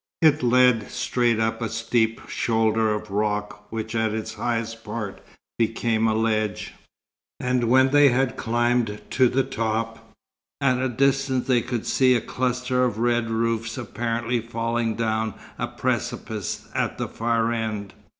It led straight up a steep shoulder of rock which at its highest part became a ledge; and when they had climbed to the top, at a distance they could see a cluster of red roofs apparently falling down a precipice, at the far end.